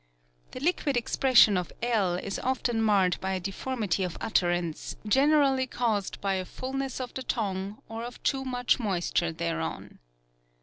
The liquid expression of I is often marred by a deformity of utterance, generally caused by a fulness of the tongue, or of too much moisture thereon.